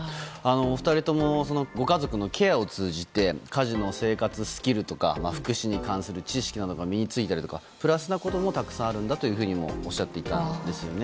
お二人ともご家族のケアを通じて家事の生活スキルとか福祉に関する知識などが身に着いたりとかプラスなこともたくさんあるんだとおっしゃっていたんですね。